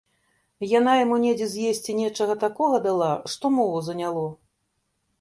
Яна яму недзе з есці нечага такога дала, што мову заняло.